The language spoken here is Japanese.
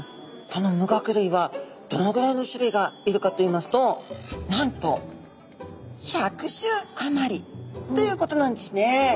この無顎類はどのぐらいの種類がいるかといいますとなんと１００種あまりということなんですね。